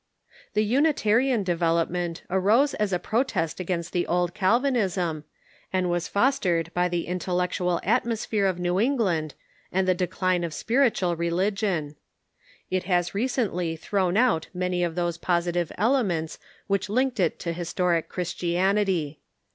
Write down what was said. The Unitarian development arose as a protest against the old Calvinism, and Avas fostered by the intellectual atmosphere ...... of New Eno land and the decline of spiritual re Unitananism ..^,., ligion. It has recently thrown out man}' or those l^ositive elements which linked it to historic Christianity.